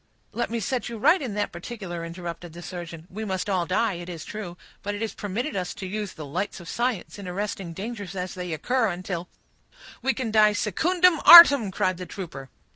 "Let me set you right in that particular," interrupted the surgeon. "We must all die, it is true, but it is permitted us to use the lights of science, in arresting dangers as they occur, until—" "We can die secundem artem," cried the trooper.